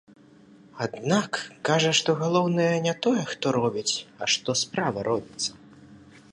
Аднак кажа, што галоўнае не тое, хто робіць, а што справа робіцца.